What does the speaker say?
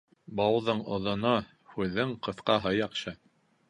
Бауҙың оҙоно, һүҙҙең ҡыҫҡаһы яҡшы.